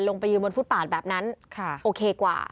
ลงไปยืนบนฟุตปาดแบบนั้นโอเคกว่า